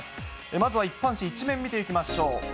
まずは一般紙１面見ていきましょう。